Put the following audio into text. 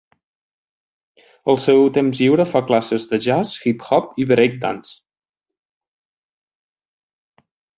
Al seu temps lliure fa classes de jazz, hip-hop i break dance.